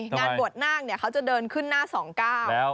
งานบวชนางเขาจะเดินขึ้นหน้า๒ก้าว